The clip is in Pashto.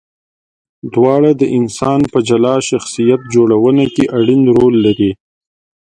دواړه د انسان په جلا شخصیت جوړونه کې اړین رول لري.